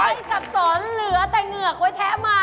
้อยจับสอนเหลือแต่เงือกไว้แท้มัน